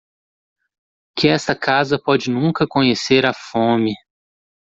Que esta casa pode nunca conhecer a fome.